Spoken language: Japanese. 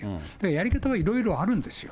やり方はいろいろあるんですよ。